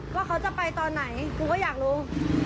ว่าเขาจะไปตอนไหนกูก็อยากรู้